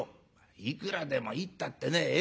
「いくらでもいいったってね。ええ？」。